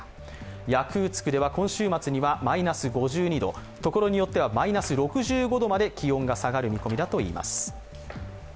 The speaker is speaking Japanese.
ヤクーツクでは今週末にはマイナス５２度、所によってはマイナス６５度まで気温が下がる見込みだといいます。